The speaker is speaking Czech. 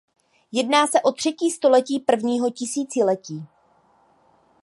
Jedná se o třetí století prvního tisíciletí.